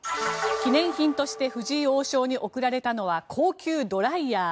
記念品として藤井王将に贈られたのは高級ドライヤー。